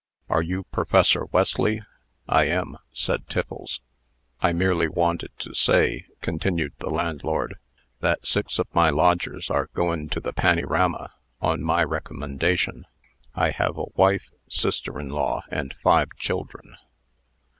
Are you Professor Wesley?" "I am," said Tiffles. "I merely wanted to say," continued the landlord, "that six of my lodgers are goin' to the pannyrama on my recommendation. I have a wife, sister in law and five children."